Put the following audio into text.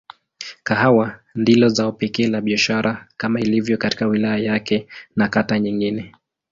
Kahawa ndilo zao pekee la biashara kama ilivyo katika wilaya yake na kata nyingine.